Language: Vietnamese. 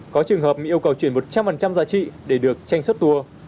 có trường hợp bị yêu cầu chuyển một trăm linh giá trị để được tranh xuất tour